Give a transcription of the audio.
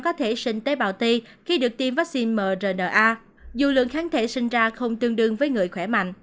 có thể sinh tế bào t khi được tiêm vaccine mrna dù lượng kháng thể sinh ra không tương đương với người khỏe mạnh